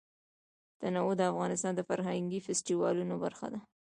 تنوع د افغانستان د فرهنګي فستیوالونو برخه ده.